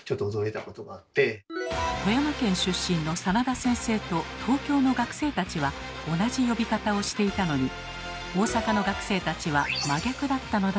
富山県出身の真田先生と東京の学生たちは同じ呼び方をしていたのに大阪の学生たちは真逆だったのだといいます。